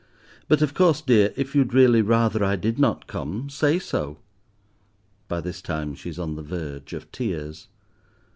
"But of course, dear, if you'd really rather I did not come, say so." By this time she is on the verge of tears.